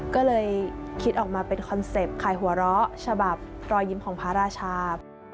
ก็เลยคิดออกมาเป็นคอนเซ็ปต์ขายหัวเราะฉบับรอยยิ้มของพระราชา